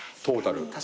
トータル。